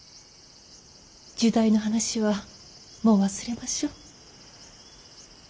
入内の話はもう忘れましょう。